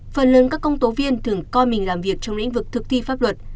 phần lớn các công tố viên thường coi mình làm việc trong lĩnh vực thực thi pháp luật